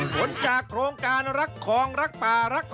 ผลจากโครงการรักคลองรักป่ารัก